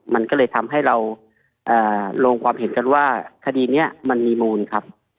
มันก็เลยทำให้เราลงความเห็นกันว่าคดีนี้มันมีมูลครับ